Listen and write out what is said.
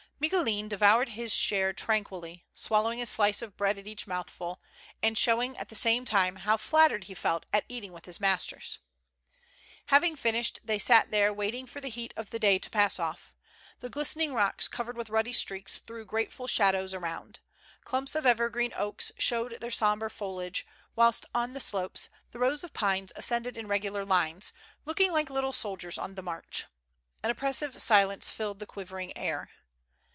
Micoulin devoured his share tranquilly, swallowing a slice of bread at each mouthful, and showing, at the same time, how flattered he felt at eating with his masters. 142 MURDEROUS ATTEMPTS. Having finished, they sat there waiting for the heat of the day to pass off. The glistening rocks covered with ruddy streaks threw grateful shadows around. Clumps of evergreen oaks showed their sombre foliage, whilst on the slopes the rows of pines ascended in regular lines, looking like little soldiers on the march. An oppressive silence filled the quivering air.